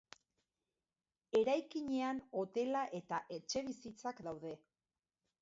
Eraikinean hotela eta etxebizitzak daude.